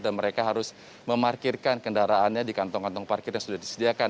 dan mereka harus memarkirkan kendaraannya di kantong kantong parkir yang sudah disediakan